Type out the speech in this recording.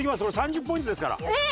これ３０ポイントですから。